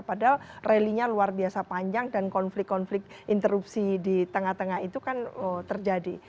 padahal rally nya luar biasa panjang dan konflik konflik interupsi di tengah tengah itu kan terjadi